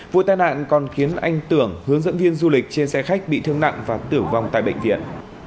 vụ tai nạn còn khiến anh tưởng hướng dẫn viên du lịch trên xe khách bị thương nặng và tử vong tại bệnh viện